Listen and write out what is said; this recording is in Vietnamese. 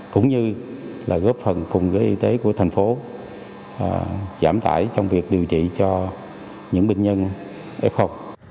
cũng như là góp phần cùng với y tế của thành phố giảm tải trong việc điều trị cho những bệnh nhân f